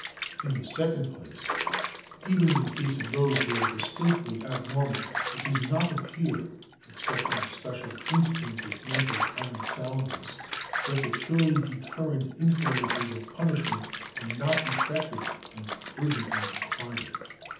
In the second place, even in the case of those who are dis tinctly abnormal, it does not appear, except in the special instance of mental unsoundness, that the purely deterrent influences of punishment are not effective and urgently required.